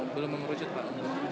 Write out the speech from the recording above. belum mengerucut pak